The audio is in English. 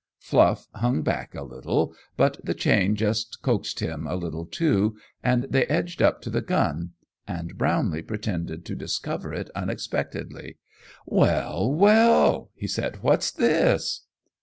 Fluff hung back a little, but the chain just coaxed him a little, too, and they edged up to the gun, and Brownlee pretended to discover it unexpectedly. "Well, well!" he said. "What's this?"